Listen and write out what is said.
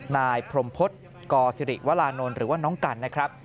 นายพรมพฤษกศิริวรานนท์หรือว่าน้องกันนะครับ